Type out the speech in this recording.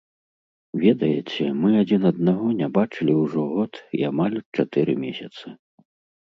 Ведаеце, мы адзін аднаго не бачылі ўжо год і амаль чатыры месяцы.